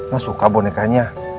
gak suka bonekanya